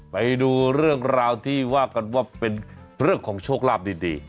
ไปดูเรื่องราวที่ว่ากันว่าเป็นเรื่องของโชคลาภดี